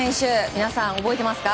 皆さん覚えてますか？